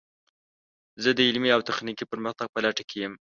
زه د علمي او تخنیکي پرمختګ په لټه کې یم.